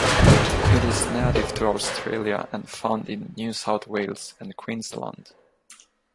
It is native to Australia and found in New South Wales and Queensland.